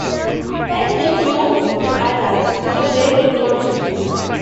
As they do to others, so they will do to you.